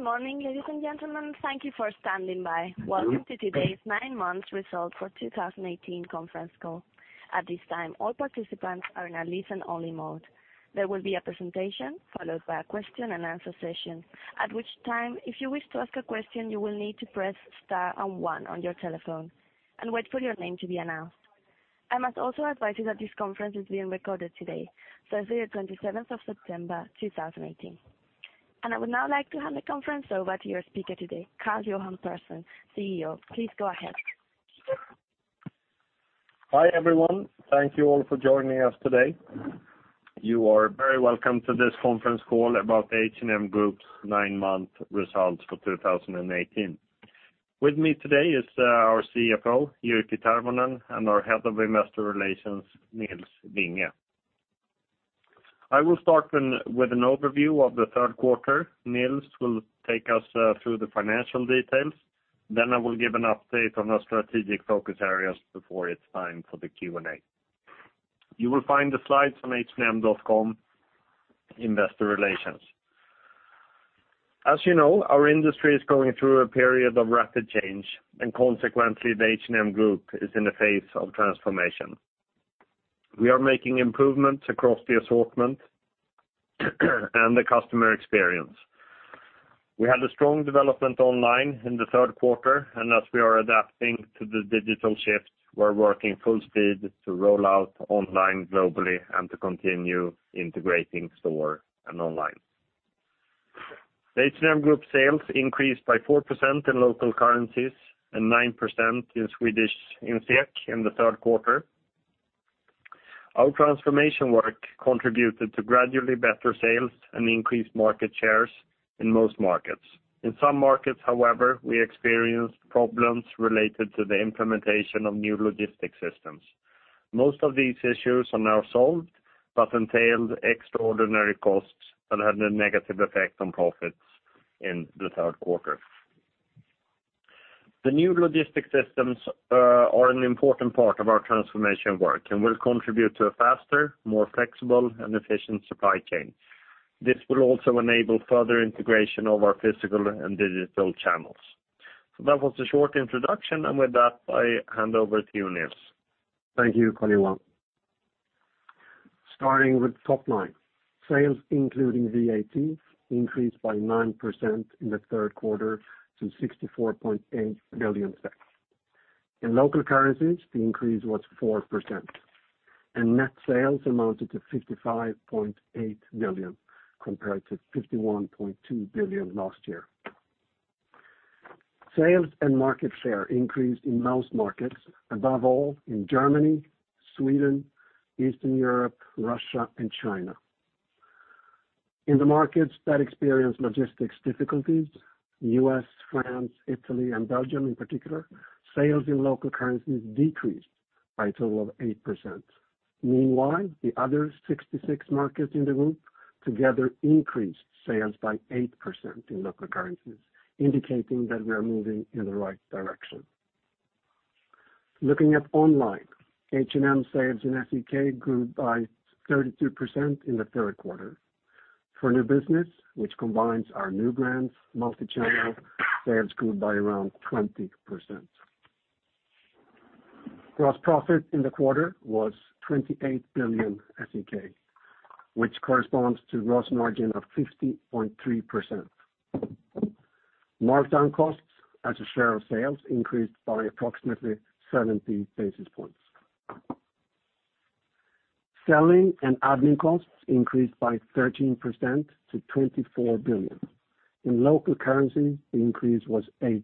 Good morning, ladies and gentlemen. Thank you for standing by. Welcome to today's nine months result for 2018 conference call. At this time, all participants are in a listen only mode. There will be a presentation followed by a question and answer session, at which time, if you wish to ask a question, you will need to press star and one on your telephone and wait for your name to be announced. I must also advise you that this conference is being recorded today, Thursday, the 27th of September, 2018. I would now like to hand the conference over to your speaker today, Karl-Johan Persson, CEO. Please go ahead. Hi, everyone. Thank you all for joining us today. You are very welcome to this conference call about H&M Group's nine-month results for 2018. With me today is our CFO, Jyrki Tervonen, and our Head of Investor Relations, Nils Vinge. I will start with an overview of the third quarter. Nils will take us through the financial details, then I will give an update on our strategic focus areas before it's time for the Q&A. You will find the slides on hm.com, Investor Relations. As you know, our industry is going through a period of rapid change, and consequently, the H&M Group is in a phase of transformation. We are making improvements across the assortment and the customer experience. We had a strong development online in the third quarter, and as we are adapting to the digital shift, we're working full speed to roll out online globally and to continue integrating store and online. The H&M Group sales increased by 4% in local currencies and 9% in Swedish SEK in the third quarter. Our transformation work contributed to gradually better sales and increased market shares in most markets. In some markets, however, we experienced problems related to the implementation of new logistics systems. Most of these issues are now solved but entailed extraordinary costs that had a negative effect on profits in the third quarter. The new logistics systems are an important part of our transformation work and will contribute to a faster, more flexible, and efficient supply chain. This will also enable further integration of our physical and digital channels. That was the short introduction, and with that, I hand over to you, Nils. Thank you, Karl-Johan. Starting with top line. Sales including VAT increased by 9% in the third quarter to 64.8 billion. In local currencies, the increase was 4%. Net sales amounted to 55.8 billion compared to 51.2 billion last year. Sales and market share increased in most markets, above all in Germany, Sweden, Eastern Europe, Russia, and China. In the markets that experience logistics difficulties, U.S., France, Italy, and Belgium in particular, sales in local currencies decreased by a total of 8%. Meanwhile, the other 66 markets in the group together increased sales by 8% in local currencies, indicating that we are moving in the right direction. Looking at online, H&M sales in SEK grew by 32% in the third quarter. For New Business, which combines our new brands, multichannel, sales grew by around 20%. Gross profit in the quarter was 28 billion SEK, which corresponds to gross margin of 50.3%. Markdown costs as a share of sales increased by approximately 70 basis points. Selling and admin costs increased by 13% to 24 billion. In local currency, the increase was 8%.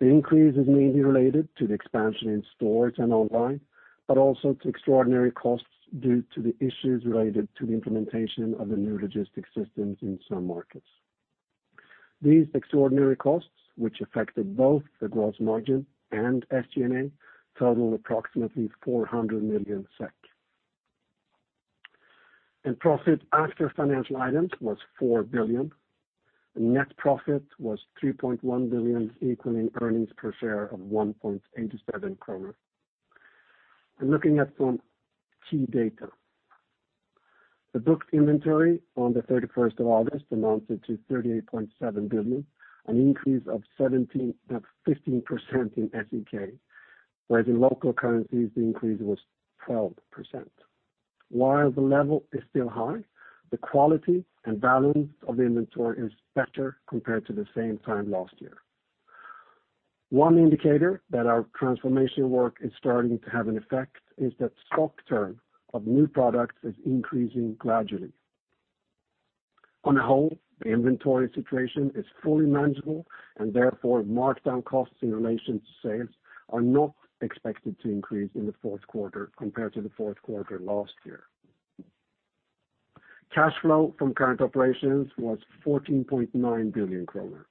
The increase is mainly related to the expansion in stores and online, but also to extraordinary costs due to the issues related to the implementation of the new logistics systems in some markets. These extraordinary costs, which affected both the gross margin and SG&A, total approximately 400 million SEK. Profit after financial items was 4 billion. Net profit was 3.1 billion, equaling earnings per share of 1.87 kronor. Looking at some key data. The book inventory on the 31st of August amounted to 38.7 billion, an increase of 15% in SEK, whereas in local currencies, the increase was 12%. While the level is still high, the quality and value of the inventory is better compared to the same time last year. One indicator that our transformation work is starting to have an effect is that stock turn of new products is increasing gradually. On a whole, the inventory situation is fully manageable, therefore, markdown costs in relation to sales are not expected to increase in the fourth quarter compared to the fourth quarter last year. Cash flow from current operations was 14.9 billion kronor.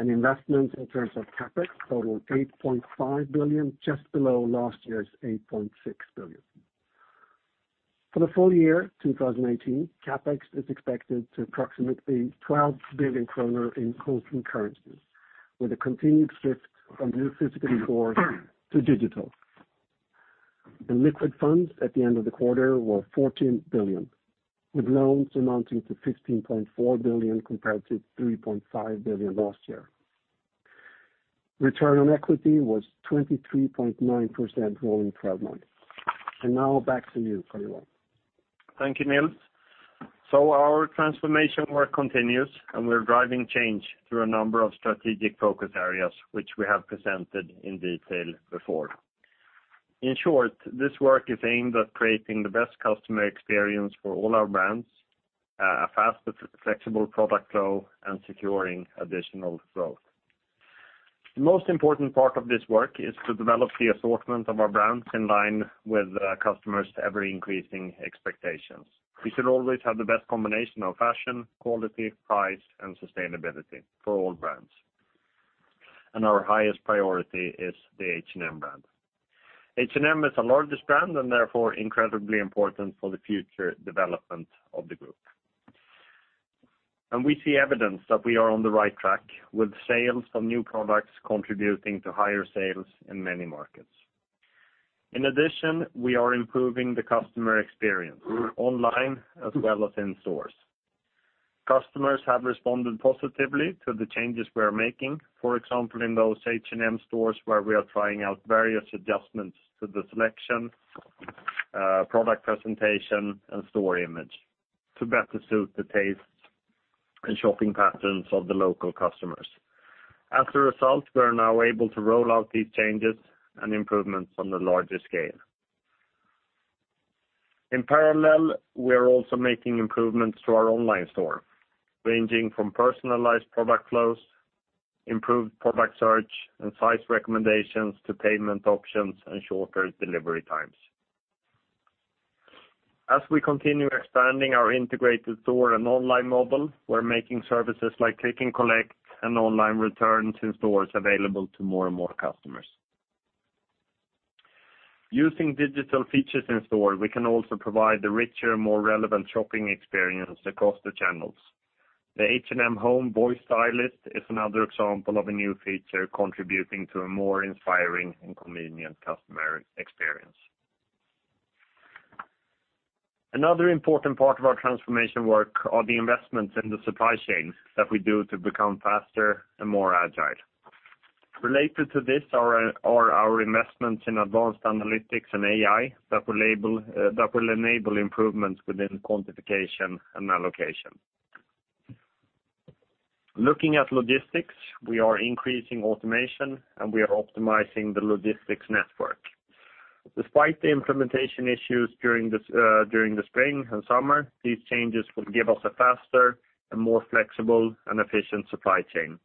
Investment in terms of CapEx totaled 8.5 billion, just below last year's 8.6 billion. For the full year 2018, CapEx is expected to approximately 12 billion kronor in local currencies, with a continued shift from new physical stores to digital. Liquid funds at the end of the quarter were 14 billion, with loans amounting to 15.4 billion compared to 3.5 billion last year. Return on equity was 23.9% rolling 12 months. Now back to you, Karl-Johan. Thank you, Nils. Our transformation work continues, we're driving change through a number of strategic focus areas, which we have presented in detail before. In short, this work is aimed at creating the best customer experience for all our brands, a faster, flexible product flow, and securing additional growth. The most important part of this work is to develop the assortment of our brands in line with customers' ever-increasing expectations. We should always have the best combination of fashion, quality, price, and sustainability for all brands. Our highest priority is the H&M brand. H&M is the largest brand and therefore incredibly important for the future development of the group. We see evidence that we are on the right track with sales of new products contributing to higher sales in many markets. In addition, we are improving the customer experience online as well as in stores. Customers have responded positively to the changes we're making. For example, in those H&M stores where we are trying out various adjustments to the selection, product presentation, and store image to better suit the tastes and shopping patterns of the local customers. As a result, we are now able to roll out these changes and improvements on the larger scale. In parallel, we are also making improvements to our online store, ranging from personalized product flows, improved product search, and size recommendations to payment options and shorter delivery times. As we continue expanding our integrated store and online mobile, we're making services like click and collect and online returns in stores available to more and more customers. Using digital features in store, we can also provide the richer, more relevant shopping experience across the channels. The H&M Home Stylist is another example of a new feature contributing to a more inspiring and convenient customer experience. Another important part of our transformation work are the investments in the supply chain that we do to become faster and more agile. Related to this are our investments in advanced analytics and AI that will enable improvements within quantification and allocation. Looking at logistics, we are increasing automation, and we are optimizing the logistics network. Despite the implementation issues during the spring and summer, these changes will give us a faster and more flexible and efficient supply chain.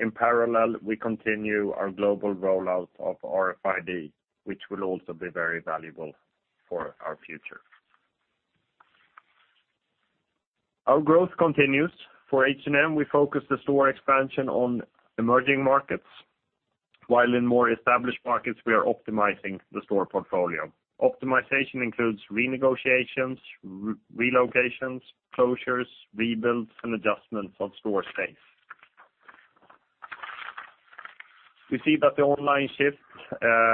In parallel, we continue our global rollout of RFID, which will also be very valuable for our future. Our growth continues. For H&M, we focus the store expansion on emerging markets, while in more established markets, we are optimizing the store portfolio. Optimization includes renegotiations, relocations, closures, rebuilds, and adjustments of store space. We see that the online shift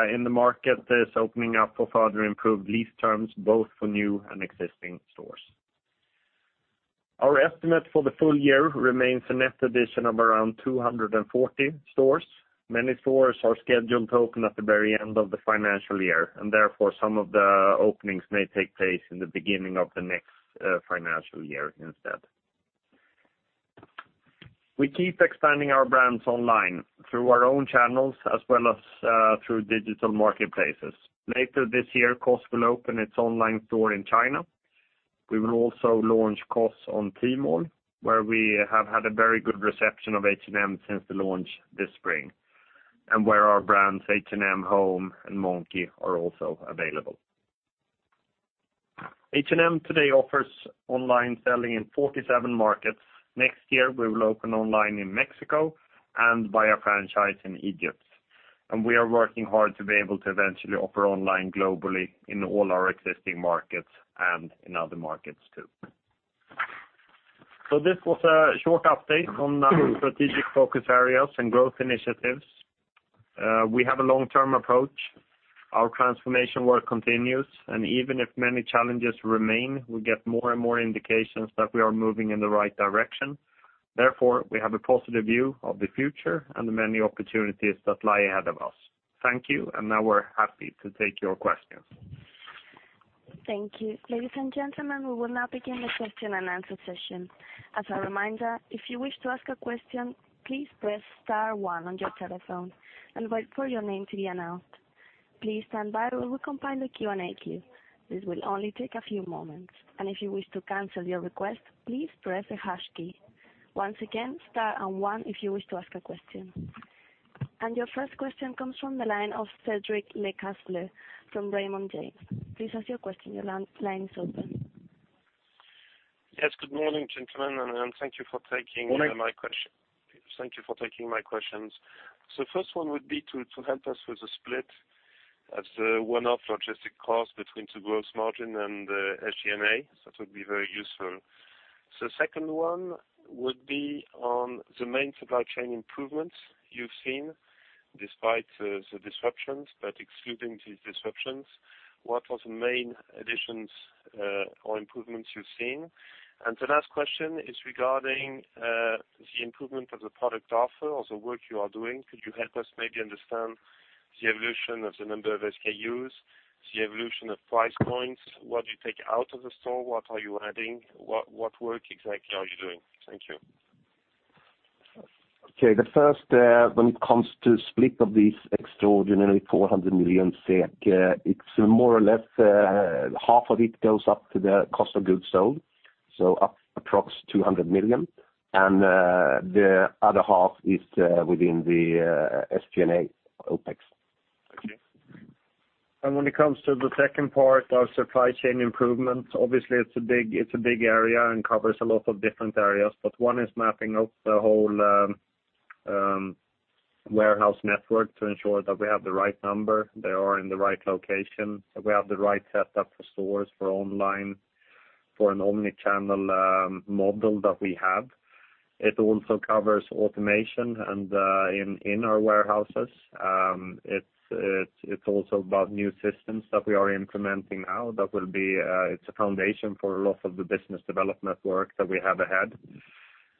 in the market is opening up for further improved lease terms, both for new and existing stores. Our estimate for the full year remains a net addition of around 240 stores. Many stores are scheduled to open at the very end of the financial year, and therefore, some of the openings may take place in the beginning of the next financial year instead. We keep expanding our brands online through our own channels as well as through digital marketplaces. Later this year, COS will open its online store in China. We will also launch COS on Tmall, where we have had a very good reception of H&M since the launch this spring, and where our brands H&M Home and Monki are also available. H&M today offers online selling in 47 markets. Next year, we will open online in Mexico and via franchise in Egypt. We are working hard to be able to eventually offer online globally in all our existing markets and in other markets, too. This was a short update on our strategic focus areas and growth initiatives. We have a long-term approach. Our transformation work continues, and even if many challenges remain, we get more and more indications that we are moving in the right direction. Therefore, we have a positive view of the future and the many opportunities that lie ahead of us. Thank you, and now we're happy to take your questions. Thank you. Ladies and gentlemen, we will now begin the question and answer session. As a reminder, if you wish to ask a question, please press star one on your telephone and wait for your name to be announced. Please stand by while we compile the Q&A queue. This will only take a few moments. If you wish to cancel your request, please press the hash key. Once again, star and one if you wish to ask a question. Your first question comes from the line of Cédric Lecasble from Raymond James. Please ask your question. Your line is open. Yes. Good morning, gentlemen, and thank you for taking my questions. First one would be to help us with the split of the one-off logistic cost between the gross margin and the SG&A. That would be very useful. The second one would be on the main supply chain improvements you've seen despite the disruptions, but excluding these disruptions, what was the main additions or improvements you've seen? The last question is regarding the improvement of the product offer or the work you are doing. Could you help us maybe understand the evolution of the number of SKUs, the evolution of price points, what you take out of the store, what are you adding? What work exactly are you doing? Thank you. Okay, the first, when it comes to split of these extraordinary 400 million SEK, it's more or less, half of it goes up to the cost of goods sold, so up approx 200 million. The other half is within the SG&A OpEx. Okay. When it comes to the second part of supply chain improvements, obviously it's a big area and covers a lot of different areas, but one is mapping out the whole warehouse network to ensure that we have the right number, they are in the right location. We have the right setup for stores, for online, for an omni-channel model that we have. It also covers automation in our warehouses. It's also about new systems that we are implementing now that will be a foundation for a lot of the business development work that we have ahead.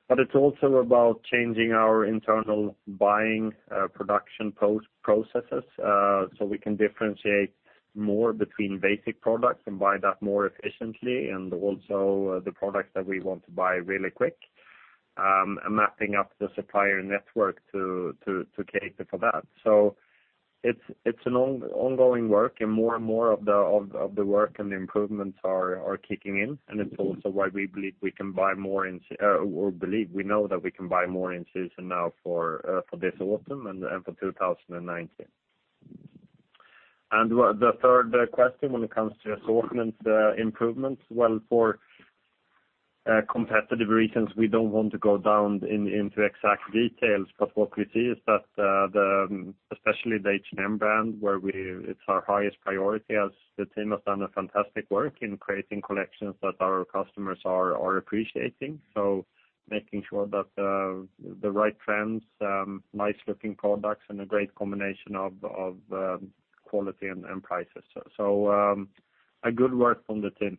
It's also about changing our internal buying production processes, so we can differentiate more between basic products and buy that more efficiently, and also the products that we want to buy really quick, and mapping out the supplier network to cater for that. It's an ongoing work and more and more of the work and the improvements are kicking in, and it's also why we know that we can buy more in-season now for this autumn and for 2019. The third question, when it comes to assortment improvements, well, for competitive reasons, we don't want to go down into exact details. What we see is that especially the H&M brand, where it's our highest priority as the team has done a fantastic work in creating collections that our customers are appreciating. Making sure that the right trends, nice looking products, and a great combination of quality and prices. Good work from the team.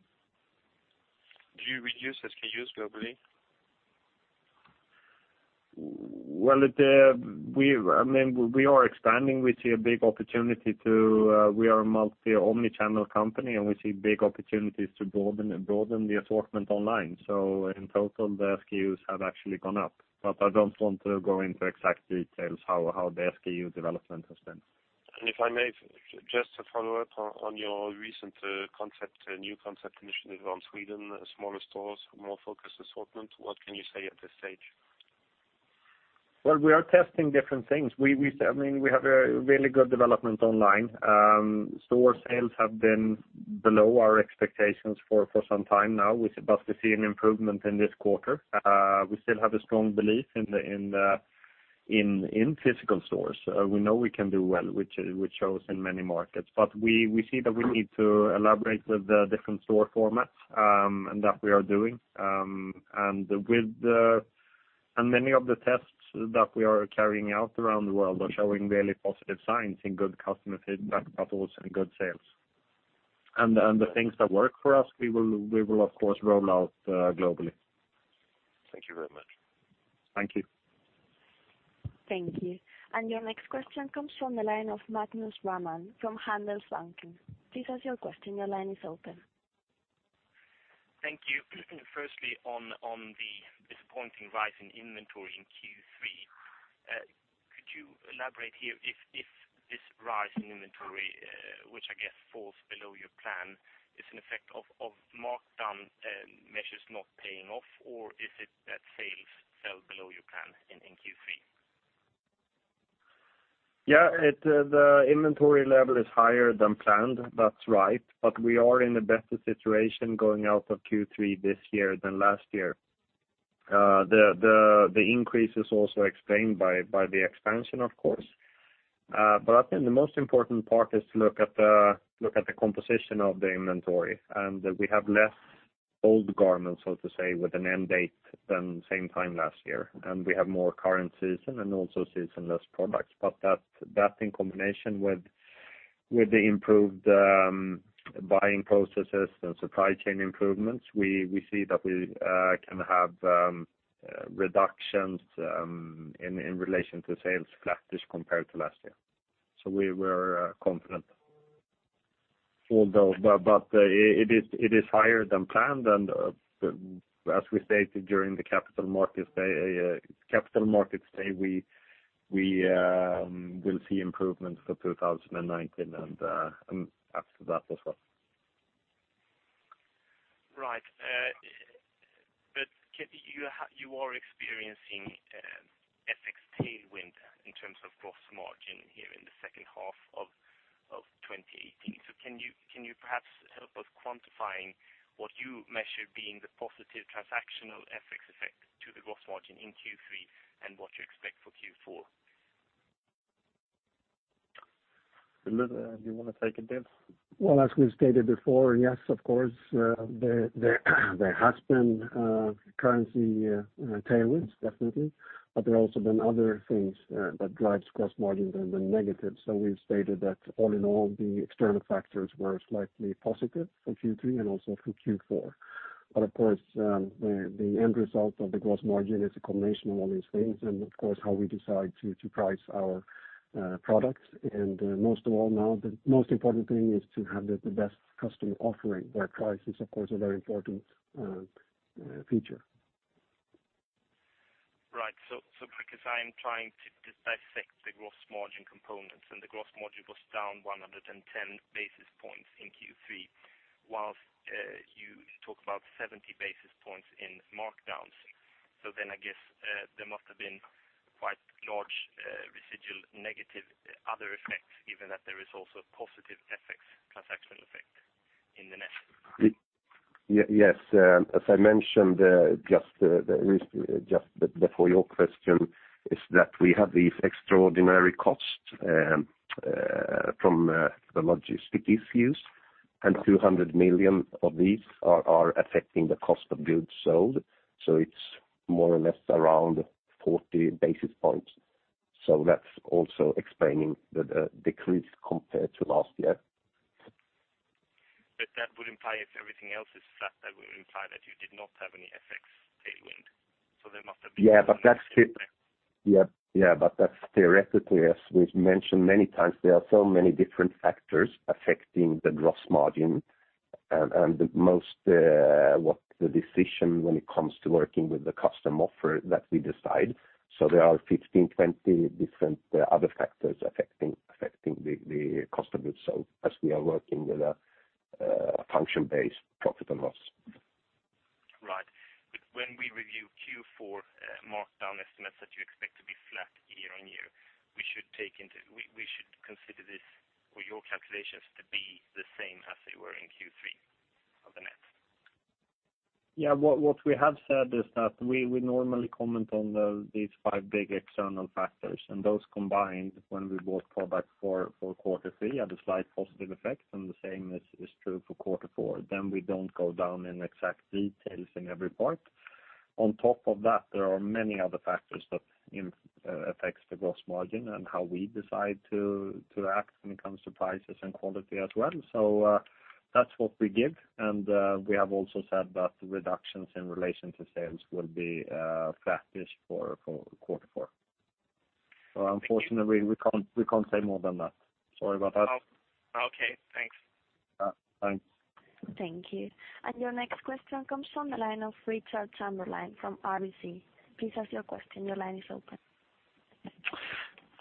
Do you reduce SKUs globally? We are expanding. We are a multi omni-channel company, and we see big opportunities to broaden the assortment online. In total, the SKUs have actually gone up, I don't want to go into exact details how the SKU development has been. if I may, just a follow-up on your recent new concept initiative on Sweden, smaller stores, more focused assortment. What can you say at this stage? Well, we are testing different things. We have a really good development online. Store sales have been below our expectations for some time now. We're about to see an improvement in this quarter. We still have a strong belief in physical stores. We know we can do well, which shows in many markets. We see that we need to elaborate with the different store formats, and that we are doing. Many of the tests that we are carrying out around the world are showing really positive signs in good customer feedback, but also in good sales. The things that work for us, we will of course, roll out globally. Thank you very much. Thank you. Thank you. Your next question comes from the line of Magnus Råman from Handelsbanken. Please ask your question. Your line is open. Thank you. Firstly, on the disappointing rise in inventory in Q3, could you elaborate here if this rise in inventory, which I guess falls below your plan, is an effect of markdown measures not paying off, or is it that sales fell below your plan in Q3? Yeah. The inventory level is higher than planned. That's right. We are in a better situation going out of Q3 this year than last year. The increase is also explained by the expansion, of course. I think the most important part is to look at the composition of the inventory, and we have less old garments, so to say, with an end date than same time last year. We have more current season and also season-less products. That in combination with the improved buying processes and supply chain improvements, we see that we can have reductions in relation to sales flattish compared to last year. We're confident for those. It is higher than planned, and as we stated during the Capital Markets Day, we will see improvements for 2019 and after that as well. Right. You are experiencing FX tailwind in terms of gross margin here in the second half of 2018. Can you perhaps help us quantifying what you measure being the positive transactional FX effect to the gross margin in Q3 and what you expect for Q4? Do you want to take a dip? Well, as we've stated before, yes, of course, there has been currency tailwinds, definitely. There have also been other things that drive gross margin that have been negative. We've stated that all in all, the external factors were slightly positive for Q3 and also for Q4. Of course, the end result of the gross margin is a combination of all these things and, of course, how we decide to price our products. Most of all now, the most important thing is to have the best customer offering, where price is, of course, a very important feature. Right. Because I am trying to dissect the gross margin components, the gross margin was down 110 basis points in Q3, whilst you talk about 70 basis points in markdowns. I guess there must have been quite large residual negative other effects, given that there is also a positive FX transactional effect in the net. Yes. As I mentioned, just for your question, is that we have these extraordinary costs from the logistic issues, 200 million of these are affecting the cost of goods sold. It's more or less around 40 basis points. That's also explaining the decrease compared to last year. That would imply if everything else is flat, that would imply that you did not have any FX tailwind. There must have been Yeah, that's theoretically, as we've mentioned many times, there are so many different factors affecting the gross margin, and the decision when it comes to working with the customer offer that we decide. There are 15, 20 different other factors affecting the cost of goods sold as we are working with a function-based profit and loss. Right. When we review Q4 markdown estimates that you expect to be flat year-on-year, we should consider this for your calculations to be the same as they were in Q3 of the net? Yeah. What we have said is that we would normally comment on these five big external factors, those combined, when we brought that for quarter three, had a slight positive effect, the same is true for quarter four. We don't go down in exact details in every part. On top of that, there are many other factors that affect the gross margin and how we decide to act when it comes to prices and quality as well. That's what we give, we have also said that reductions in relation to sales will be practiced for quarter four. Unfortunately, we can't say more than that. Sorry about that. Okay. Thanks. Yeah. Thanks. Thank you. Your next question comes from the line of Richard Chamberlain from RBC. Please ask your question. Your line is open.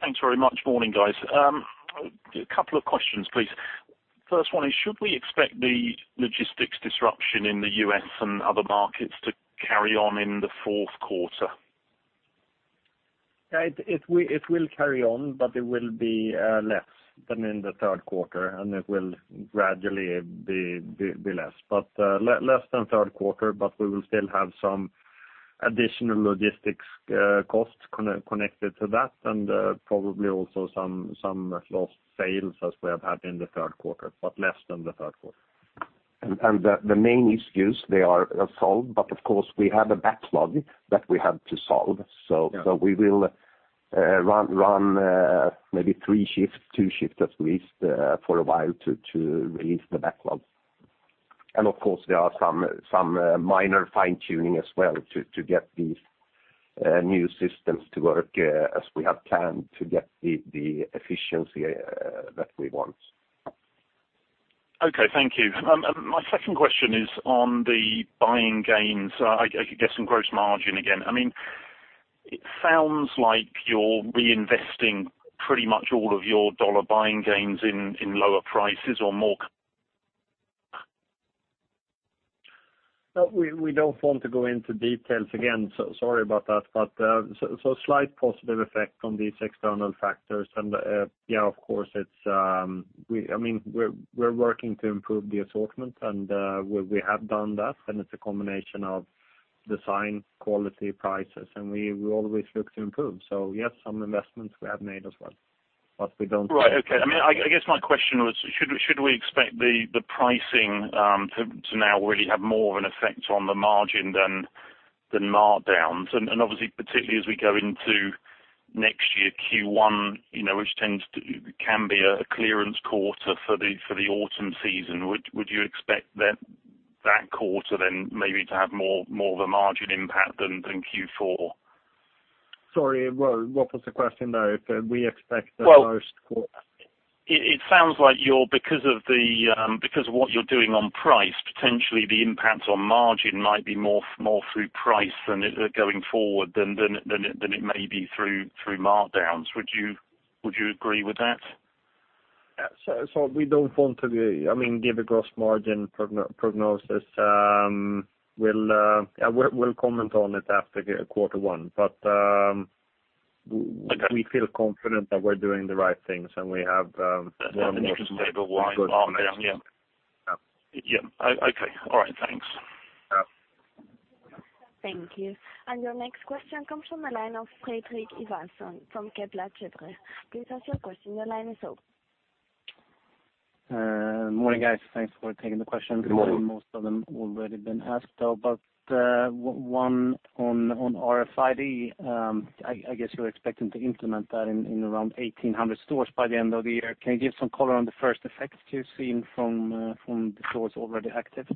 Thanks very much. Morning, guys. A couple of questions, please. First one is, should we expect the logistics disruption in the U.S. and other markets to carry on in the fourth quarter? It will carry on, it will be less than in the third quarter, it will gradually be less. Less than third quarter, we will still have some additional logistics costs connected to that and probably also some lost sales as we have had in the third quarter, less than the third quarter. The main issues, they are solved. Of course, we have a backlog that we have to solve. We will run maybe three shifts, two shifts at least, for a while to release the backlog. Of course, there are some minor fine-tuning as well to get these new systems to work as we have planned to get the efficiency that we want. Okay, thank you. My second question is on the buying gains. I guess in gross margin again. It sounds like you're reinvesting pretty much all of your dollar buying gains in lower prices or more We don't want to go into details again, so sorry about that. Slight positive effect on these external factors. Yeah, of course, we're working to improve the assortment, and we have done that, and it's a combination of design, quality, prices, and we always look to improve. Yes, some investments we have made as well. Right. Okay. I guess my question was, should we expect the pricing to now really have more of an effect on the margin than markdowns? Obviously, particularly as we go into next year Q1, which can be a clearance quarter for the autumn season, would you expect that quarter then maybe to have more of a margin impact than Q4? Sorry, what was the question there? If we expect the first quarter- It sounds like because of what you're doing on price, potentially the impact on margin might be more through price going forward than it may be through markdowns. Would you agree with that? We don't want to give a gross margin prognosis. We'll comment on it after quarter one. We feel confident that we're doing the right things, and we have more- An interest table wide markdown. Yeah. Yeah. Yeah. Okay. All right. Thanks. Yeah. Thank you. Your next question comes from the line of Fredrik Ivarsson from Kepler Cheuvreux. Please ask your question. Your line is open. Morning, guys. Thanks for taking the questions. Good morning. Most of them already been asked, though. One on RFID. I guess you're expecting to implement that in around 1,800 stores by the end of the year. Can you give some color on the first effects you're seeing from the stores already active?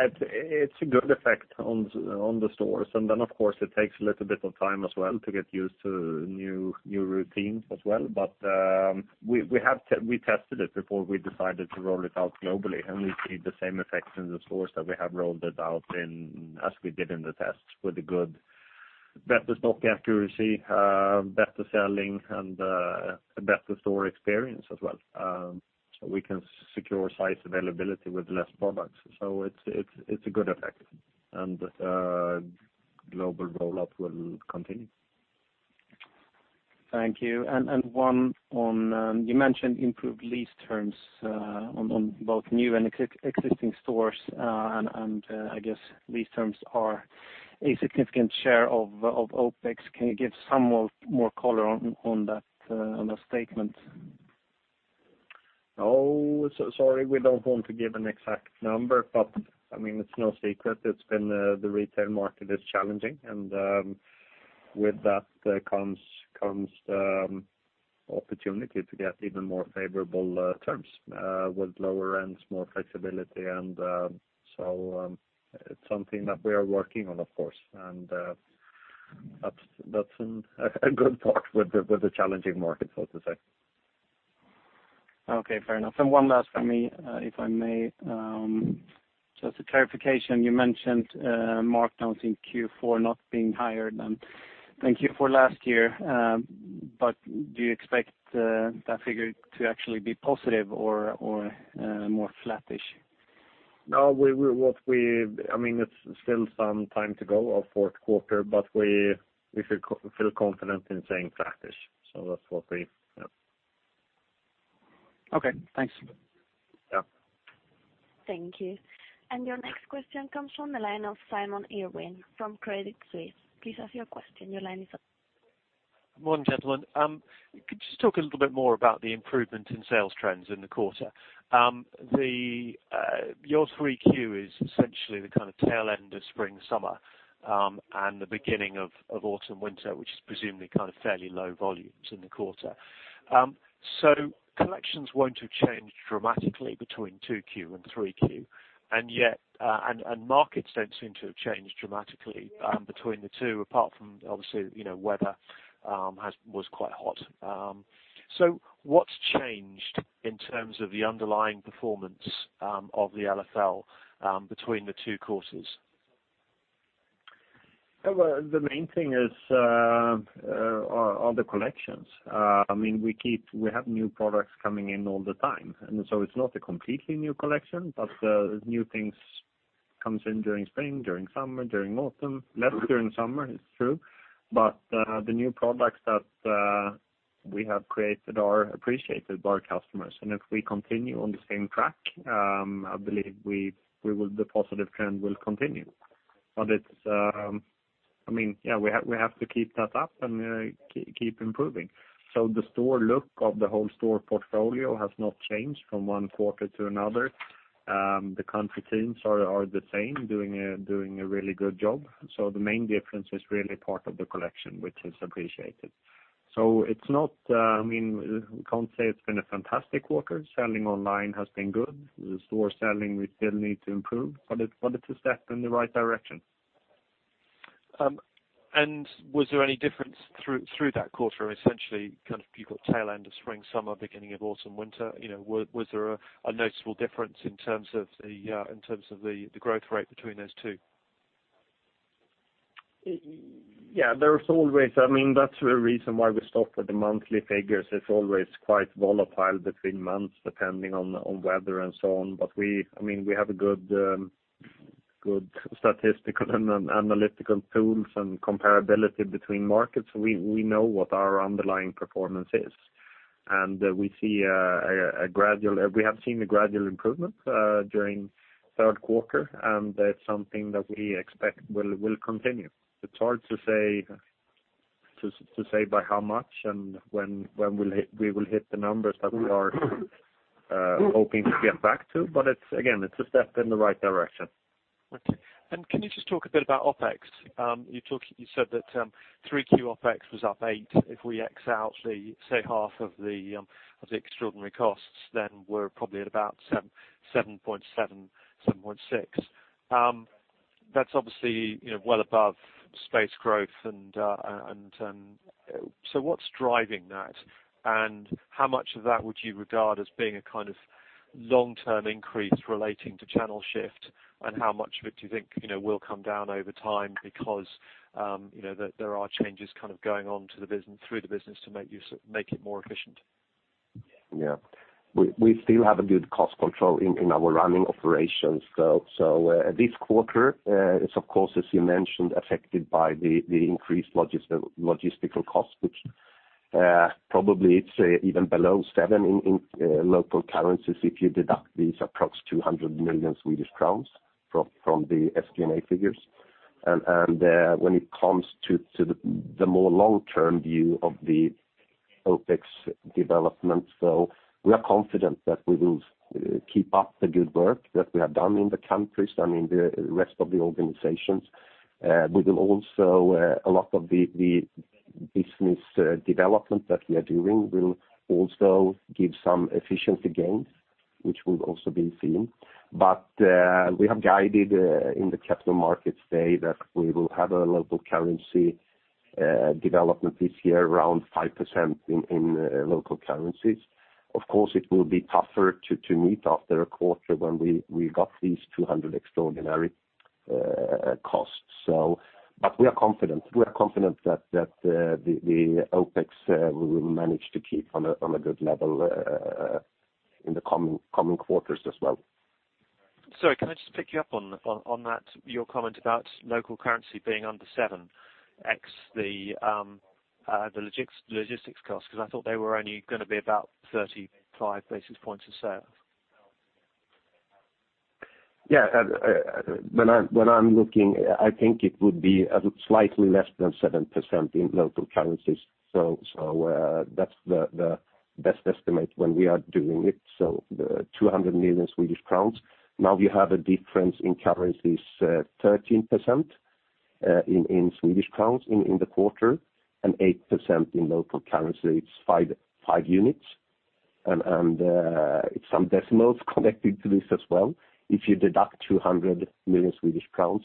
It's a good effect on the stores, then, of course, it takes a little bit of time as well to get used to new routines as well. We tested it before we decided to roll it out globally, we see the same effects in the stores that we have rolled it out in as we did in the tests, with a good, better stock accuracy, better selling, and a better store experience as well. We can secure size availability with less products. It's a good effect, and global rollout will continue. Thank you. One on, you mentioned improved lease terms on both new and existing stores, I guess lease terms are a significant share of OpEx. Can you give some more color on that statement? No. Sorry, we don't want to give an exact number, it's no secret it's been the retail market is challenging and with that comes the opportunity to get even more favorable terms with lower rents, more flexibility. It's something that we are working on, of course. That's a good part with the challenging market, so to say. Okay, fair enough. One last from me, if I may. Just a clarification, you mentioned markdowns in Q4 not being higher than Q4 last year. Do you expect that figure to actually be positive or more flattish? No. It's still some time to go of fourth quarter, but we feel confident in saying flattish. That's what we Yep. Okay, thanks. Yeah. Thank you. Your next question comes from the line of Simon Irwin from Credit Suisse. Please ask your question. Your line is open. Morning, gentlemen. Could you just talk a little bit more about the improvement in sales trends in the quarter? Your 3Q is essentially the kind of tail end of spring/summer, and the beginning of autumn/winter, which is presumably kind of fairly low volumes in the quarter. Collections won't have changed dramatically between 2Q and 3Q, and markets don't seem to have changed dramatically between the two, apart from obviously, weather was quite hot. What's changed in terms of the underlying performance of the LFL between the two quarters? The main thing is on the collections. We have new products coming in all the time, it's not a completely new collection, but new things comes in during spring, during summer, during autumn. Less during summer, it's true. The new products that we have created are appreciated by our customers. If we continue on the same track, I believe the positive trend will continue. We have to keep that up and keep improving. The store look of the whole store portfolio has not changed from one quarter to another. The country teams are the same, doing a really good job. The main difference is really part of the collection, which is appreciated. We can't say it's been a fantastic quarter. Selling online has been good. The store selling, we still need to improve. It's a step in the right direction. Was there any difference through that quarter? Essentially, kind of you've got tail end of spring/summer, beginning of autumn/winter. Was there a noticeable difference in terms of the growth rate between those two? Yeah. That's the reason why we stop with the monthly figures. It's always quite volatile between months, depending on weather and so on. We have a good statistical and analytical tools and comparability between markets. We know what our underlying performance is. We have seen a gradual improvement during third quarter, and that's something that we expect will continue. It's hard to say by how much and when we will hit the numbers that we are hoping to get back to. Again, it's a step in the right direction. Okay. Can you just talk a bit about OpEx? You said that 3Q OpEx was up 8. If we X out, say, half of the extraordinary costs, we're probably at about [7.7.6]. That's obviously well above space growth, what's driving that? How much of that would you regard as being a kind of long-term increase relating to channel shift? How much of it do you think will come down over time because there are changes kind of going on through the business to make it more efficient? Yeah. We still have a good cost control in our running operations. This quarter is, of course, as you mentioned, affected by the increased logistical costs, which probably it's even below 7 in local currencies if you deduct these approx 200 million Swedish crowns from the SG&A figures. When it comes to the more long-term view of the OpEx development, we are confident that we will keep up the good work that we have done in the countries and in the rest of the organizations. A lot of the business development that we are doing will also give some efficiency gains, which will also be seen. We have guided in the Capital Markets Day that we will have a local currency development this year around 5% in local currencies. Of course, it will be tougher to meet after a quarter when we got these 200 extraordinary costs. We are confident that the OpEx, we will manage to keep on a good level in the coming quarters as well. Sorry, can I just pick you up on that, your comment about local currency being under 7, ex the logistics cost, because I thought they were only going to be about 35 basis points or so. Yeah. When I'm looking, I think it would be slightly less than 7% in local currencies. That's the best estimate when we are doing it. The 200 million Swedish crowns, now we have a difference in currencies, 13% in SEK in the quarter and 8% in local currency. It's five units and it's some decimals connected to this as well. If you deduct 200 million Swedish crowns,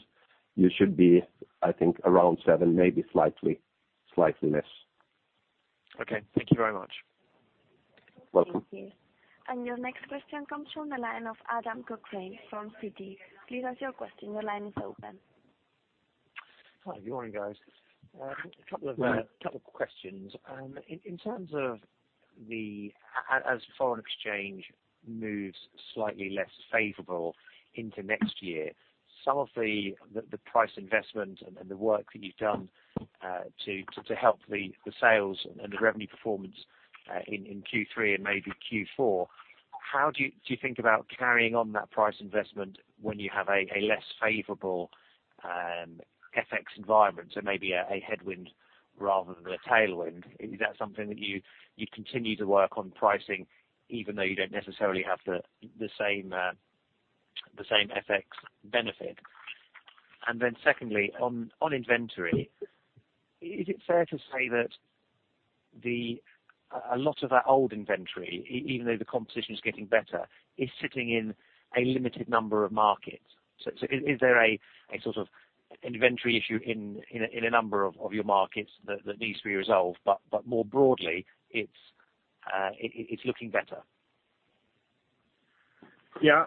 you should be, I think, around seven, maybe slightly less. Okay. Thank you very much. Welcome. Thank you. Your next question comes from the line of Adam Cochrane from Citi. Please ask your question. Your line is open. Hi. Good morning, guys. A couple of questions. As foreign exchange moves slightly less favorable into next year, some of the price investment and the work that you've done to help the sales and the revenue performance in Q3 and maybe Q4, how do you think about carrying on that price investment when you have a less favorable FX environment and maybe a headwind rather than a tailwind? Is that something that you continue to work on pricing even though you don't necessarily have the same FX benefit? Then secondly, on inventory, is it fair to say that a lot of that old inventory, even though the competition is getting better, is sitting in a limited number of markets? Is there an inventory issue in a number of your markets that needs to be resolved, but more broadly, it's looking better? Yeah.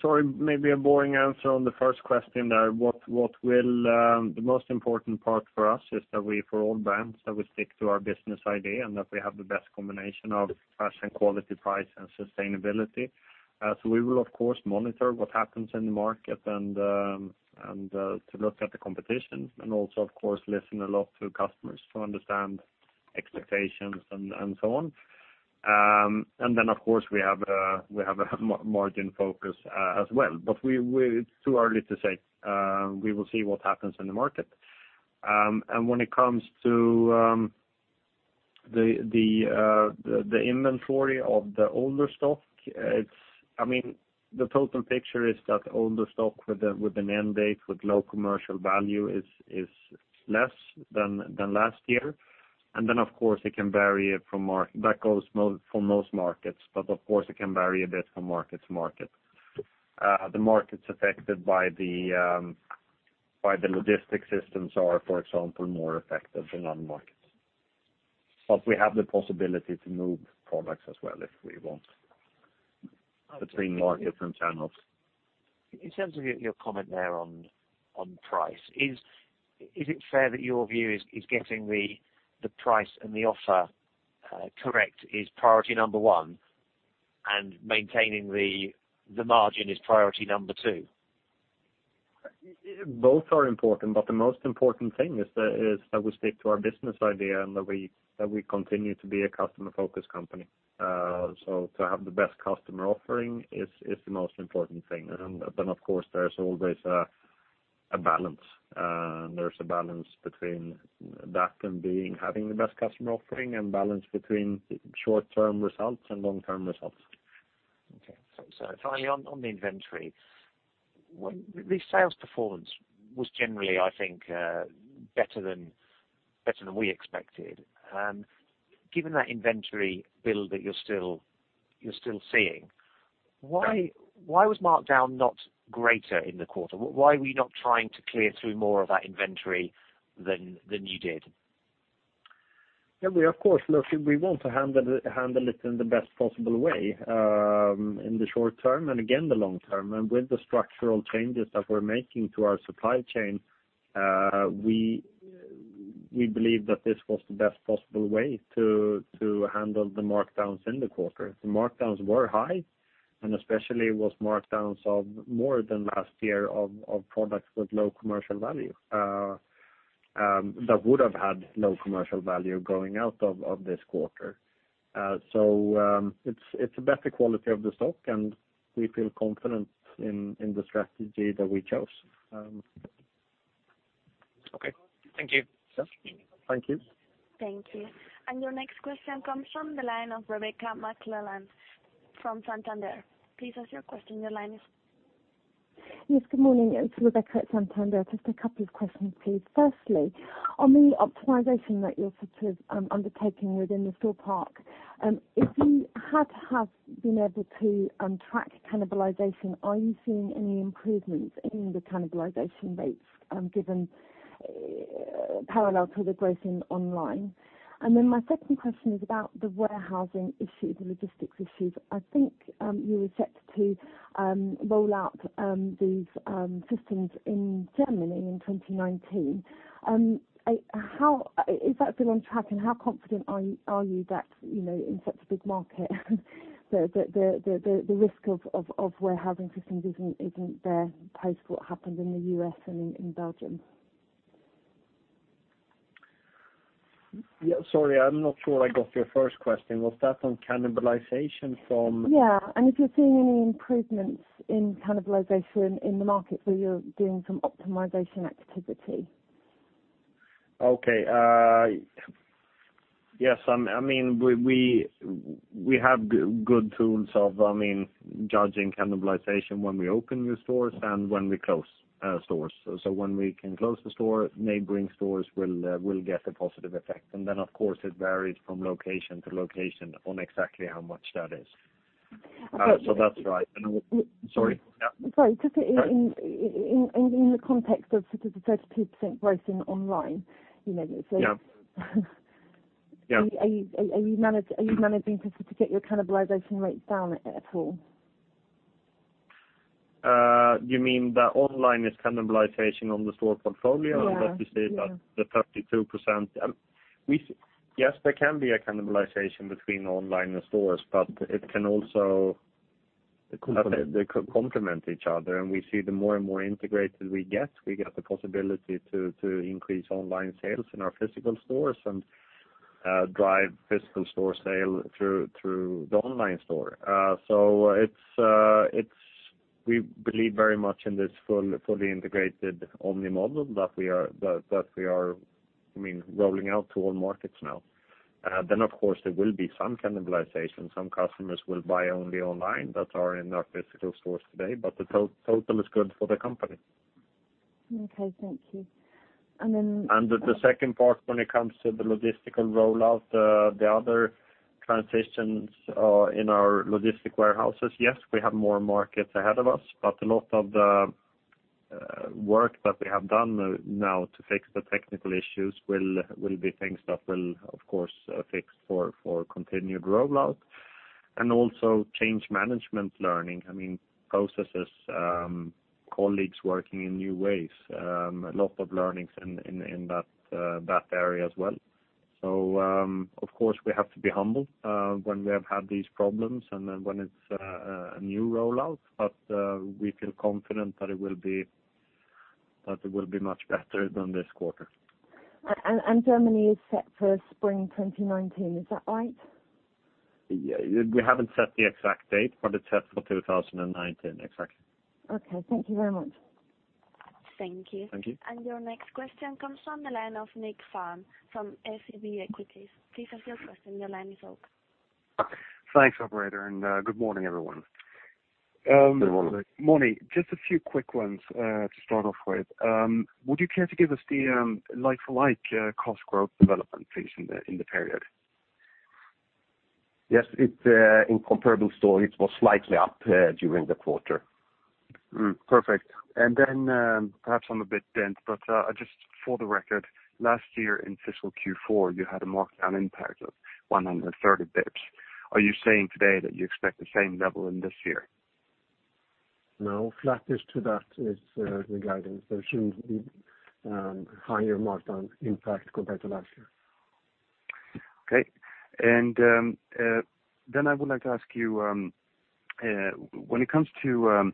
Sorry, maybe a boring answer on the first question there. The most important part for us is that for all brands, that we stick to our business idea and that we have the best combination of fashion, quality, price and sustainability. We will, of course, monitor what happens in the market and to look at the competition and also, of course, listen a lot to customers to understand expectations and so on. Of course, we have a margin focus as well. It's too early to say. We will see what happens in the market. When it comes to the inventory of the older stock, the total picture is that older stock with an end date with low commercial value is less than last year. That goes for most markets, but of course it can vary a bit from market to market. The markets affected by the logistic systems are, for example, more affected than other markets. We have the possibility to move products as well if we want, between markets and channels. In terms of your comment there on price, is it fair that your view is getting the price and the offer correct is priority number one and maintaining the margin is priority number two? Both are important. The most important thing is that we stick to our business idea and that we continue to be a customer-focused company. To have the best customer offering is the most important thing. Of course, there is always a balance. There's a balance between that and having the best customer offering and balance between short-term results and long-term results. Okay. Finally, on the inventory. The sales performance was generally, I think, better than we expected. Given that inventory build that you're still seeing, why was markdown not greater in the quarter? Why were you not trying to clear through more of that inventory than you did? We want to handle it in the best possible way, in the short term and again, the long term. With the structural changes that we're making to our supply chain, we believe that this was the best possible way to handle the markdowns in the quarter. The markdowns were high, and especially was markdowns of more than last year of products with low commercial value, that would have had no commercial value going out of this quarter. It's a better quality of the stock, and we feel confident in the strategy that we chose. Okay. Thank you. Yes. Thank you. Thank you. Your next question comes from the line of Rebecca McClellan from Santander. Please ask your question. Your line is- Yes, good morning. It's Rebecca at Santander. Just a couple of questions, please. Firstly, on the optimization that you're sort of undertaking within the store park, if you had to have been able to track cannibalization, are you seeing any improvements in the cannibalization rates given parallel to the growth in online? Then my second question is about the warehousing issues, the logistics issues. I think you were set to roll out these systems in Germany in 2019. Has that been on track, and how confident are you that in such a big market, the risk of warehousing systems isn't there post what happened in the U.S. and in Belgium? Yeah, sorry, I'm not sure I got your first question. Was that on cannibalization from- Yeah. If you're seeing any improvements in cannibalization in the market where you're doing some optimization activity. Okay. Yes, we have good tools of judging cannibalization when we open new stores and when we close stores. When we can close the store, neighboring stores will get a positive effect. Then, of course, it varies from location to location on exactly how much that is. That's right. Sorry? Yeah. Sorry. Just in the context of sort of the 32% growth in online. Yeah. Yeah. Are you managing to sort of get your cannibalization rates down at all? You mean the online is cannibalization on the store portfolio? Yeah. That we see that the 32%. There can be a cannibalization between online and stores, it can also compliment each other. We see the more and more integrated we get, we get the possibility to increase online sales in our physical stores and drive physical store sale through the online store. We believe very much in this fully integrated omni-model that we are rolling out to all markets now. Of course, there will be some cannibalization. Some customers will buy only online that are in our physical stores today, the total is good for the company. Okay, thank you. The second part, when it comes to the logistical rollout, the other transitions in our logistic warehouses, yes, we have more markets ahead of us, a lot of the work that we have done now to fix the technical issues will be things that will, of course, fix for continued rollout. Also change management learning. Processes, colleagues working in new ways. A lot of learnings in that area as well. Of course, we have to be humble when we have had these problems and when it's a new rollout. We feel confident that it will be much better than this quarter. Germany is set for spring 2019. Is that right? We haven't set the exact date, it's set for 2019. Exactly. Okay. Thank you very much. Thank you. Thank you. Your next question comes from the line of Niklas Ekman from SEB Equities. Please ask your question. Your line is open. Thanks, operator. Good morning, everyone. Good morning. Morning, just a few quick ones to start off with. Would you care to give us the like for like cost growth development, please, in the period? Yes. In comparable stores, it was slightly up during the quarter. Perfect. Perhaps I'm a bit dense, but just for the record, last year in fiscal Q4, you had a markdown impact of 130 basis points. Are you saying today that you expect the same level in this year? No, flattish to that is the guidance. There shouldn't be higher markdown impact compared to last year. Okay. I would like to ask you, when it comes to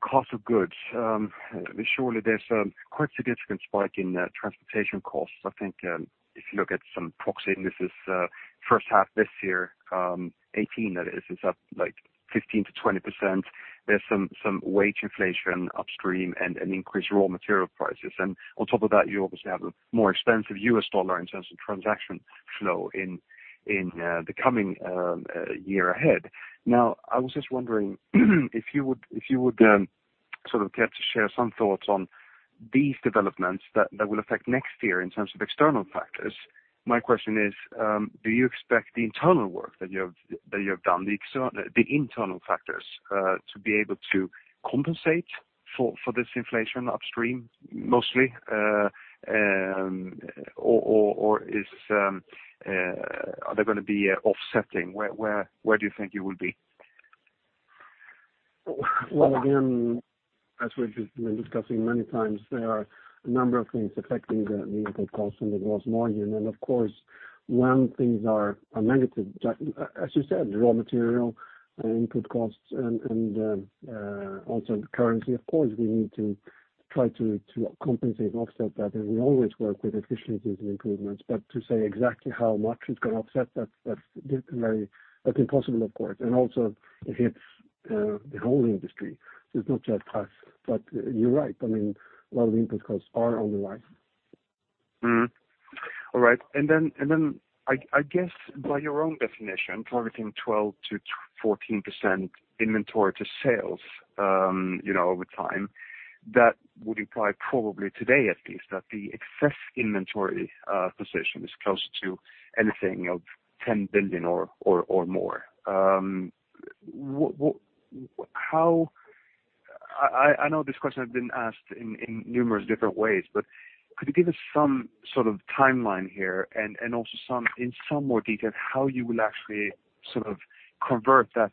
cost of goods, surely there's a quite significant spike in transportation costs. I think if you look at some proxy indices first half 2018, that is, it's up 15%-20%. There's some wage inflation upstream and increased raw material prices. On top of that, you obviously have a more expensive US dollar in terms of transaction flow in the coming year ahead. I was just wondering if you would care to share some thoughts on these developments that will affect next year in terms of external factors. My question is, do you expect the internal work that you have done, the internal factors, to be able to compensate for this inflation upstream mostly? Or are they going to be offsetting? Where do you think you will be? Well, again, as we've been discussing many times, there are a number of things affecting the input costs and the gross margin. Of course, when things are negative, as you said, raw material and input costs and also currency, of course, we need to try to compensate and offset that. We always work with efficiencies and improvements, but to say exactly how much it's going to offset that's impossible of course. Also it hits the whole industry. It's not just us, but you're right. A lot of the input costs are on the rise. All right. I guess by your own definition, targeting 12%-14% inventory to sales over time, that would imply probably today at least, that the excess inventory position is close to anything of 10 billion or more. I know this question has been asked in numerous different ways, but could you give us some sort of timeline here and also in some more detail, how you will actually sort of convert that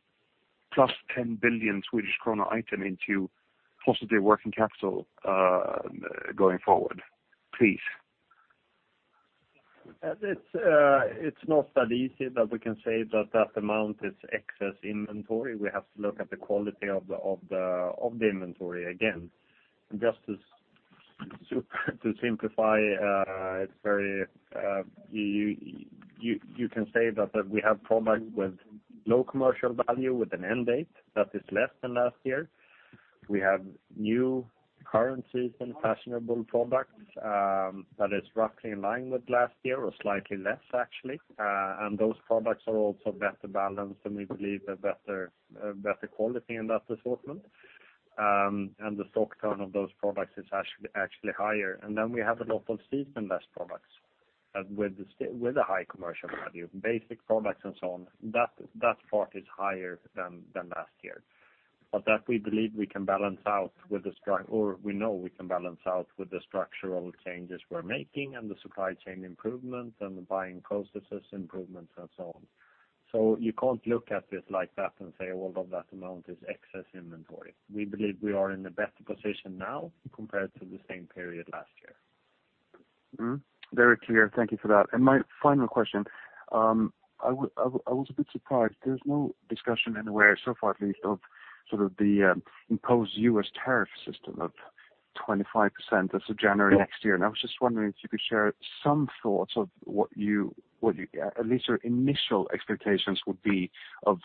plus 10 billion Swedish krona item into positive working capital going forward, please? It's not that easy that we can say that amount is excess inventory. We have to look at the quality of the inventory again. Just to simplify, you can say that we have product with low commercial value, with an end date that is less than last year. We have new currencies and fashionable products, that is roughly in line with last year or slightly less actually. Those products are also better balanced, and we believe a better quality in that assortment. The stock turn of those products is actually higher. We have a lot of season-less products with a high commercial value, basic products and so on. That part is higher than last year. That we believe we can balance out with the structural changes we're making and the supply chain improvements and the buying processes improvements and so on. You can't look at it like that and say, well, that amount is excess inventory. We believe we are in a better position now compared to the same period last year. Very clear. Thank you for that. My final question, I was a bit surprised there's no discussion anywhere, so far at least, of sort of the imposed U.S. tariff system of 25% as of January next year. I was just wondering if you could share some thoughts of what at least your initial expectations would be of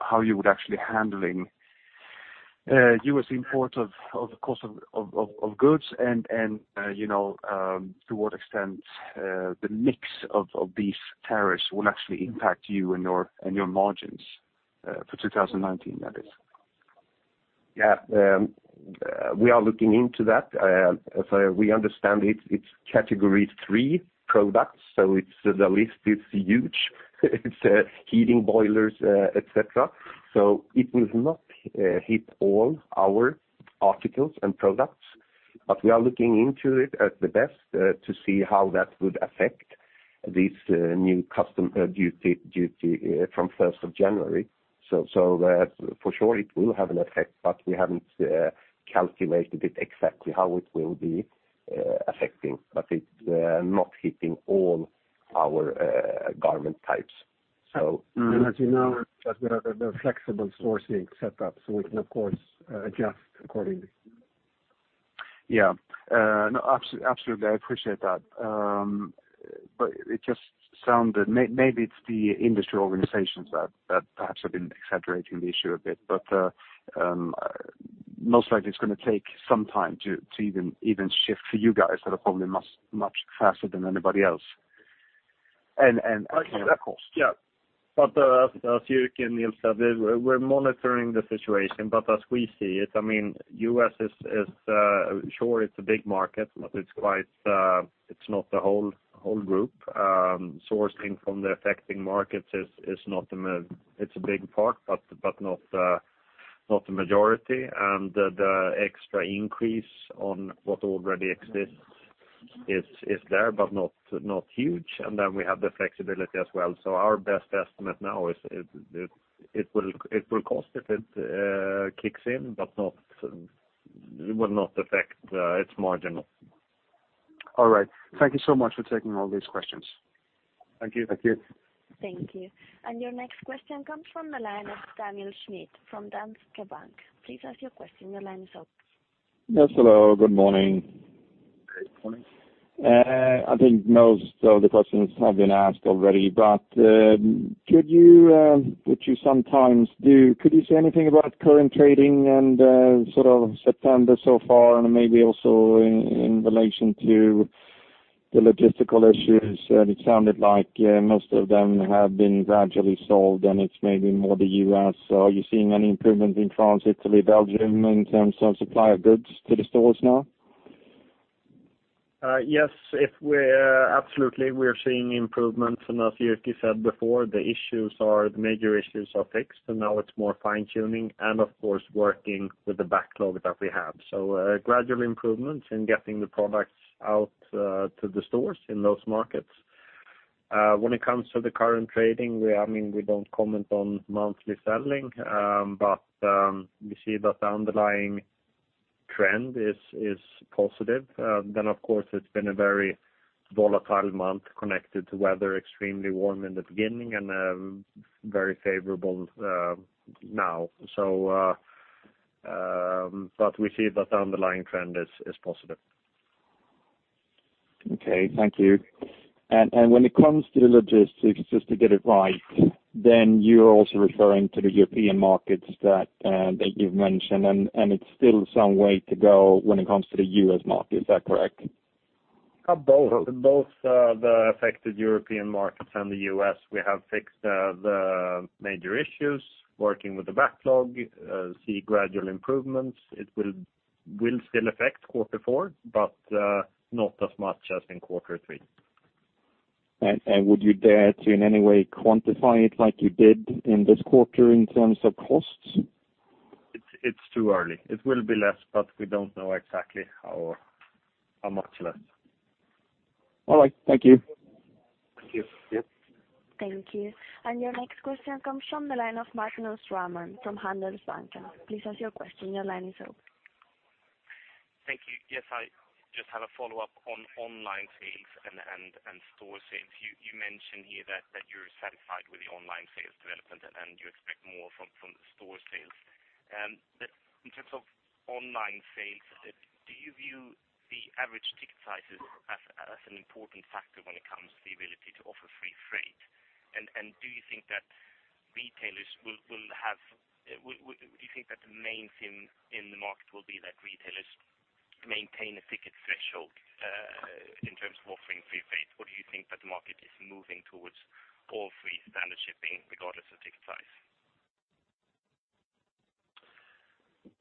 how you would actually handling U.S. import of course of goods and, to what extent the mix of these tariffs will actually impact you and your margins for 2019, that is. We are looking into that. As we understand it's category 3 products. The list is huge. It's heating boilers et cetera. It will not hit all our articles and products, but we are looking into it as the best to see how that would affect this new custom duty from 1st of January. For sure it will have an effect, but we haven't calculated it exactly how it will be affecting. It's not hitting all our garment types. As you know, we have a flexible sourcing setup. We can of course, adjust accordingly. Yeah. Absolutely, I appreciate that. It just sounded, maybe it's the industry organizations that perhaps have been exaggerating the issue a bit. Most likely it's going to take some time to even shift for you guys that are probably much faster than anybody else. Of course. Yeah. As Jyrki and Nils said, we're monitoring the situation. As we see it, U.S., sure it's a big market. It's not the whole group. Sourcing from the affecting markets, it's a big part. Not the majority. The extra increase on what already exists is there. Not huge. We have the flexibility as well. Our best estimate now is it will cost if it kicks in. It will not affect its margin. All right. Thank you so much for taking all these questions. Thank you. Thank you. Thank you. Your next question comes from the line of Daniel Schmidt from Danske Bank. Please ask your question, your line is open. Yes, hello. Good morning. Good morning. I think most of the questions have been asked already, could you, which you sometimes do, could you say anything about current trading and sort of September so far, and maybe also in relation to the logistical issues? It sounded like most of them have been gradually solved, and it's maybe more the U.S. Are you seeing any improvement in France, Italy, Belgium, in terms of supply of goods to the stores now? Yes. Absolutely, we are seeing improvements. As Jyrki said before, the major issues are fixed and now it's more fine-tuning and of course working with the backlog that we have. Gradual improvements in getting the products out to the stores in those markets. When it comes to the current trading, we don't comment on monthly selling, but we see that the underlying trend is positive. Of course, it's been a very volatile month connected to weather, extremely warm in the beginning and very favorable now. We see that the underlying trend is positive. Okay, thank you. When it comes to the logistics, just to get it right, then you're also referring to the European markets that you've mentioned, and it's still some way to go when it comes to the U.S. market. Is that correct? Both the affected European markets and the U.S., we have fixed the major issues, working with the backlog, see gradual improvements. It will still affect quarter four, but not as much as in quarter three. Would you dare to in any way quantify it like you did in this quarter in terms of costs? It's too early. It will be less, but we don't know exactly how much less. All right. Thank you. Thank you. Thank you. Your next question comes from the line of Magnus Råman from Handelsbanken. Please ask your question. Your line is open. Thank you. Yes, I just have a follow-up on online sales and store sales. You mentioned here that you're satisfied with the online sales development, you expect more from the store sales. In terms of online sales, do you view the average ticket sizes as an important factor when it comes to the ability to offer free freight? Do you think that the main thing in the market will be that retailers maintain a ticket threshold in terms of offering free freight? Do you think that the market is moving towards all free standard shipping regardless of ticket price?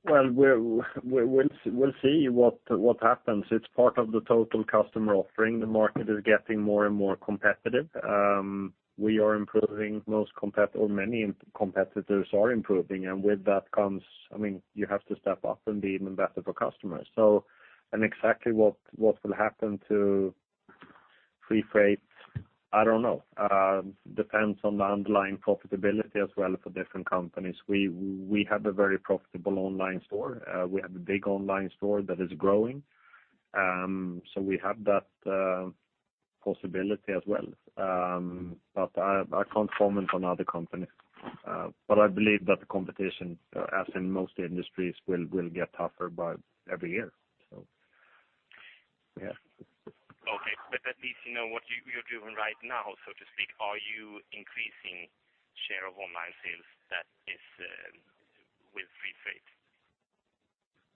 Well, we'll see what happens. It's part of the total customer offering. The market is getting more and more competitive. We are improving, or many competitors are improving, and with that comes, you have to step up and be even better for customers. Exactly what will happen to free freight, I don't know. Depends on the underlying profitability as well for different companies. We have a very profitable online store. We have a big online store that is growing. We have that possibility as well. I can't comment on other companies. I believe that the competition, as in most industries, will get tougher by every year. Yeah. Okay. At least you know what you're doing right now, so to speak. Are you increasing share of online sales that is with free freight?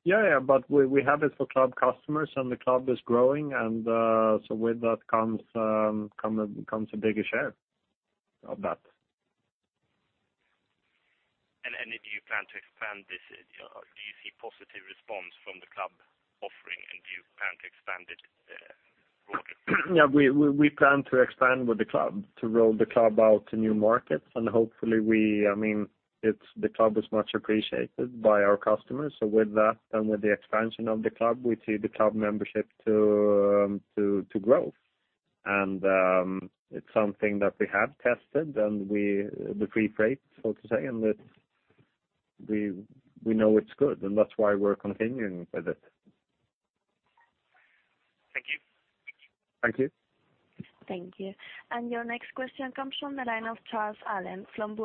Yeah, we have it for club customers, the club is growing, with that comes a bigger share of that. Do you plan to expand this? Do you see positive response from the club offering, do you plan to expand it broader? Yeah, we plan to expand with the club, to roll the club out to new markets, and hopefully the club is much appreciated by our customers. With that and with the expansion of the club, we see the club membership to grow. It's something that we have tested and the free freight, so to say, and we know it's good, and that's why we're continuing with it. Thank you. Thank you. Thank you. Your next question comes from the line of Charles Allen from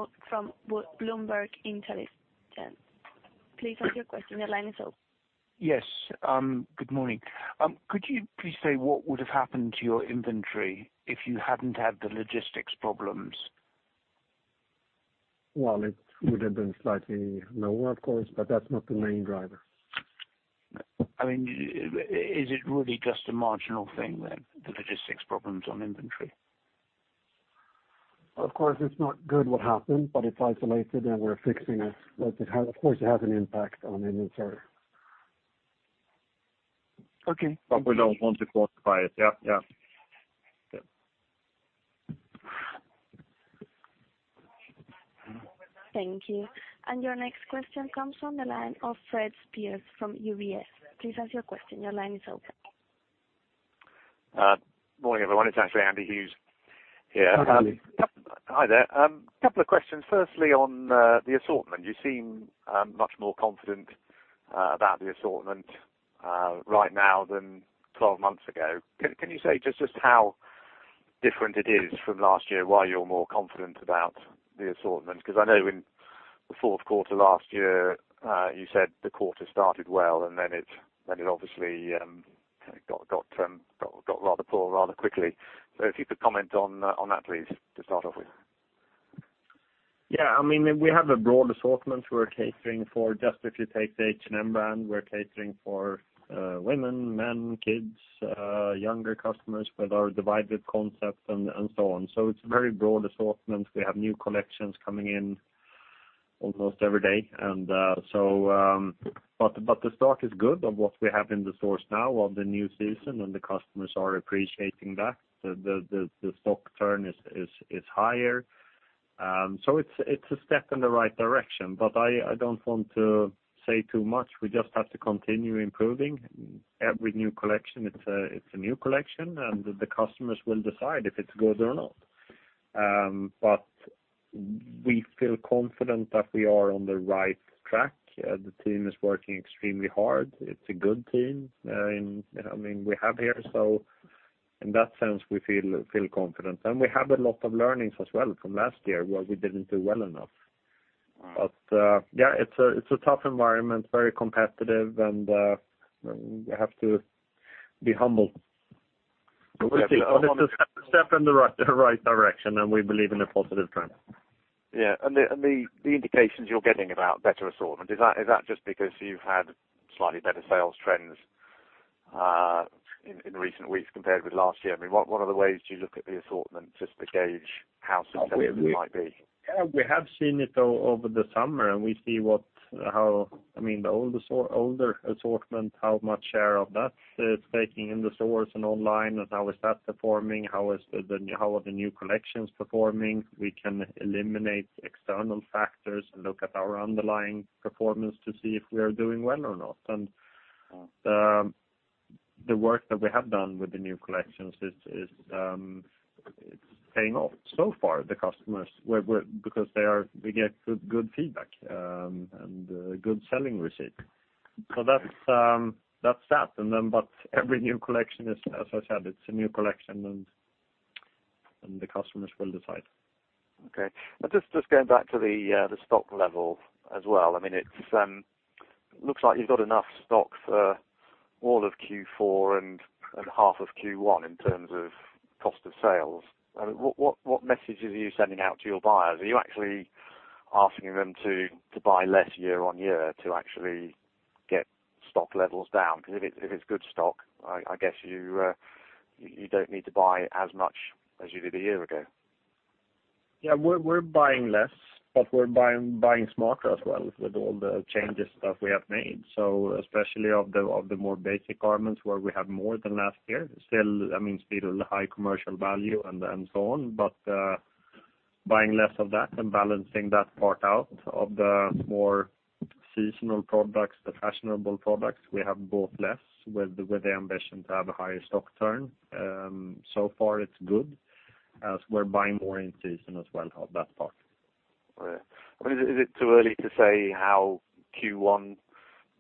Bloomberg Intelligence. Please ask your question. Your line is open. Yes. Good morning. Could you please say what would have happened to your inventory if you hadn't had the logistics problems? Well, it would have been slightly lower, of course, but that's not the main driver. Is it really just a marginal thing then, the logistics problems on inventory? Of course, it's not good what happened, but it's isolated, and we're fixing it. Of course, it has an impact on inventory. Okay. We don't want to quantify it. Yeah. Thank you. Your next question comes from the line of Andy Hughes from UBS. Please ask your question. Your line is open. Morning, everyone. It's actually Andy Hughes here. Hi, Andy. Hi there. Couple of questions. Firstly, on the assortment. You seem much more confident about the assortment right now than 12 months ago. Can you say just how different it is from last year, why you're more confident about the assortment? I know in the fourth quarter last year, you said the quarter started well, and then it obviously got rather poor rather quickly. If you could comment on that, please, to start off with. We have a broad assortment. Just if you take the H&M brand, we're catering for women, men, kids, younger customers with our Divided concepts, and so on. It's a very broad assortment. We have new collections coming in almost every day. The stock is good of what we have in the stores now of the new season, and the customers are appreciating that. The stock turn is higher. It's a step in the right direction, but I don't want to say too much. We just have to continue improving. Every new collection, it's a new collection, and the customers will decide if it's good or not. We feel confident that we are on the right track. The team is working extremely hard. It's a good team, we have here. In that sense, we feel confident. We have a lot of learnings as well from last year, where we didn't do well enough. Right. It's a tough environment, very competitive, and we have to be humble. We see it as a step in the right direction, and we believe in a positive trend. Yeah. The indications you're getting about better assortment, is that just because you've had slightly better sales trends in recent weeks compared with last year? What are the ways you look at the assortment just to gauge how successful you might be? Yeah, we have seen it over the summer, and we see how the older assortment, how much share of that it's taking in the stores and online, and how is that performing, how are the new collections performing. We can eliminate external factors and look at our underlying performance to see if we are doing well or not. Yeah The work that we have done with the new collections, it's paying off. So far, the customers, because we get good feedback and good selling receipts. That's that. Every new collection is, as I said, it's a new collection, and the customers will decide. Okay. Just going back to the stock level as well. It looks like you've got enough stock for all of Q4 and half of Q1 in terms of cost of sales. What message are you sending out to your buyers? Are you actually asking them to buy less year-on-year to actually get stock levels down? Because if it's good stock, I guess you don't need to buy as much as you did a year ago. Yeah, we're buying less, but we're buying smarter as well with all the changes that we have made. Especially of the more basic garments where we have more than last year. Still, high commercial value and so on. Buying less of that and balancing that part out. Of the more seasonal products, the fashionable products, we have bought less with the ambition to have a higher stock turn. So far it's good, as we're buying more in season as well of that part. Right. Is it too early to say how Q1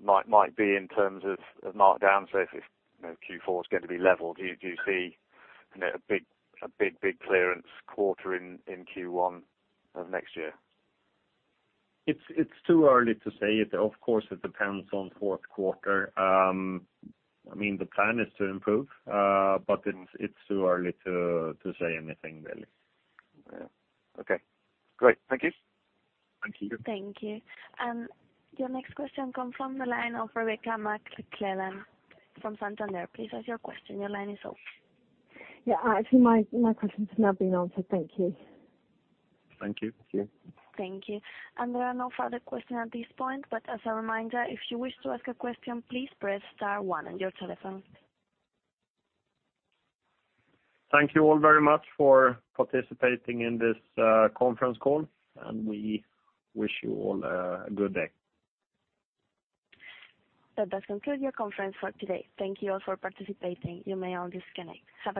might be in terms of markdowns, so if Q4 is going to be level, do you see a big clearance quarter in Q1 of next year? It's too early to say. Of course, it depends on fourth quarter. The plan is to improve, but it's too early to say anything, really. Yeah. Okay, great. Thank you. Thank you. Thank you. Your next question come from the line of Rebecca McClellan from Santander. Please ask your question. Your line is open. Yeah, actually my question has now been answered. Thank you. Thank you. Thank you. Thank you. There are no further questions at this point. As a reminder, if you wish to ask a question, please press star one on your telephones. Thank you all very much for participating in this conference call, and we wish you all a good day. That does conclude your conference for today. Thank you all for participating. You may all disconnect. Have a great day.